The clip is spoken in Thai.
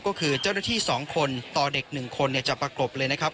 ก็คือเจ้าหน้าที่๒คนต่อเด็ก๑คนจะประกบเลยนะครับ